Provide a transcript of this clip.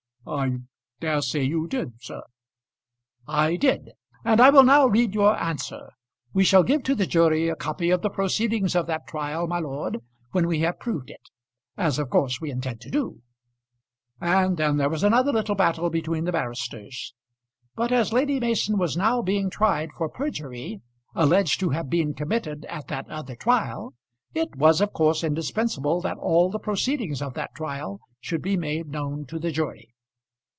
"I dare say you did, sir." "I did, and I will now read your answer. We shall give to the jury a copy of the proceedings of that trial, my lord, when we have proved it, as of course we intend to do." And then there was another little battle between the barristers. But as Lady Mason was now being tried for perjury, alleged to have been committed at that other trial, it was of course indispensable that all the proceedings of that trial should be made known to the jury.